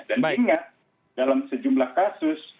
ingat dalam sejumlah kasus